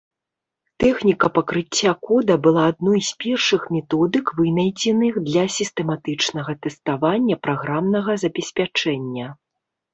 Тэхніка пакрыцця кода была адной з першых методык, вынайдзеных для сістэматычнага тэставання праграмнага забеспячэння.